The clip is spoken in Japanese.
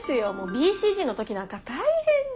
ＢＣＧの時なんか大変で。